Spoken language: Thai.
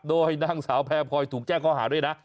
โดยนางสาวแพรพลอยถูกแจ้งข้อหาด้วยนะ